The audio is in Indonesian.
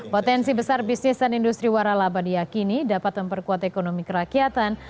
potensi besar bisnis dan industri warah laba diyakini dapat memperkuat ekonomi kerakyatan